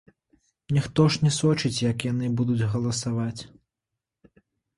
Ніхто ж не сочыць, як яны будуць галасаваць.